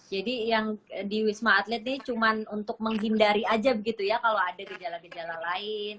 jadi yang di wisma atlet ini cuma untuk menghindari aja begitu ya kalau ada gejala gejala lain